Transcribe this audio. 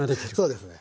そうですね。